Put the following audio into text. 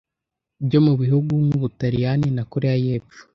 byo mu bihugu nk'Ubutaliyani na Koreya y'Epfo